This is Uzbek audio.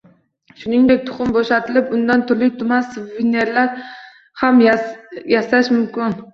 Shuningdek tuxum bo‘shatilib, undan turli tuman suvenirlar ham yasash mumkin.